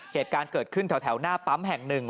เหตุการณ์เกิดขึ้นแถวหน้าปั๊มแห่งหนึ่ง